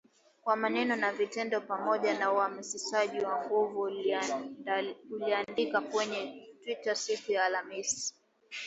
kwa maneno na vitendo, pamoja na uhamasishaji wa nguvu, aliandika kwenye Twita siku ya Alhamisi